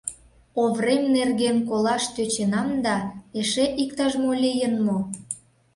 Оврем нерген колаш тӧченам да... эше иктаж-мо лийын мо?